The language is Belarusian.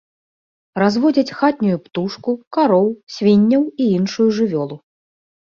Разводзяць хатнюю птушку, кароў, свінняў і іншую жывёлу.